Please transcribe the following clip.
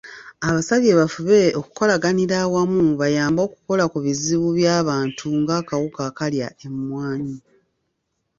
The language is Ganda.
Abasabye bafube okukolaganira awamu bayambe okukola ku bizibu by'abantu ng'akawuka akalya emmwanyi.